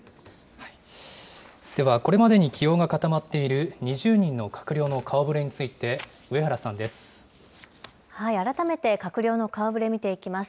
ではこれまでに起用が固まっている２０人の閣僚の顔ぶれにつ改めて閣僚の顔ぶれ、見ていきます。